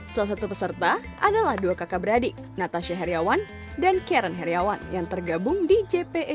salah satu peserta adalah dua kakak beradik natasha heriawan dan karen heriawan yang tergabung di jpo